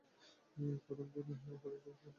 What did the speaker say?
প্রথমদিকে ভবনটি বেশ সাধারণ ছিল।